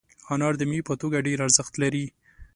انار د میوې په توګه ډېر ارزښت لري.